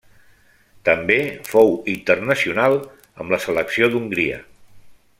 També fou internacional amb la selecció d'Hongria.